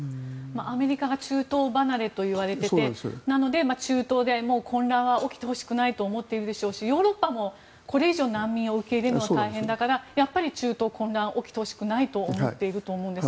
アメリカが中東離れといわれていてなので中東で、もう混乱は起きてほしくないと思っているでしょうしヨーロッパもこれ以上難民を受け入れるのは大変だからやっぱり中東、混乱が起きてほしくないと思っていると思うんです。